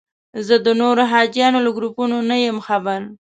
زه د نورو حاجیانو له ګروپونو نه یم خبر.